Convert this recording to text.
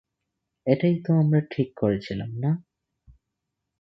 এটাই তো আমরা ঠিক করেছিলাম না?